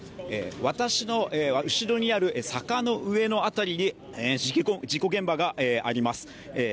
私の後ろにある坂の上の辺りに事故現場があります。